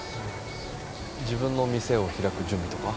自分の店を開く準備とか。